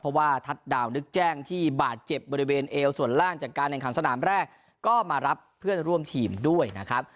เพราะว่าทัศน์ดาวนึกแจ้งที่บาดเจ็บบริเวณเอวส่วนล่างจากการแข่งขันสนามแรกก็มารับเพื่อนร่วมทีมด้วยนะครับ